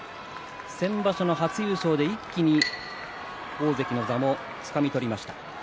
先場所の初優勝で一気に大関の座をつかみ取りました。